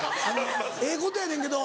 ええことやねんけど。